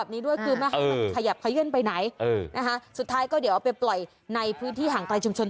นักประมาณ๑๐กิโลกรัม